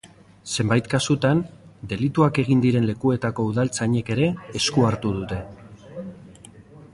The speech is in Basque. Zenbait kasutan, delituak egin diren lekuetako udaltzainek ere esku hartu dute.